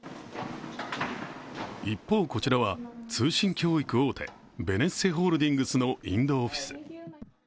一方こちらは、通信教育大手ベネッセホールディングスのインドオフィス。